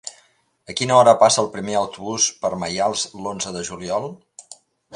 A quina hora passa el primer autobús per Maials l'onze de juliol?